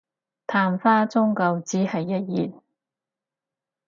曇花終究只係一現